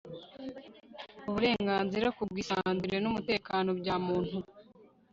Uburenganzira ku bwisanzure n umutekano bya Muntu